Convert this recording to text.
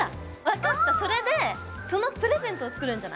分かったそれでそのプレゼントを作るんじゃない？